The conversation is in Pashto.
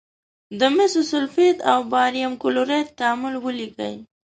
د مسو سلفیټ او باریم کلورایډ تعامل ولیکئ.